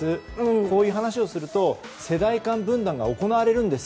こういう話をすると世代間分断が行われるんです。